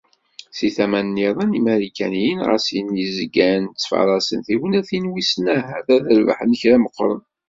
Si tama nniḍen, Imarikaniyen ɣas ini zgan ttfaraṣen tignatin wissen ahat ad d-rebḥen kra meqqren.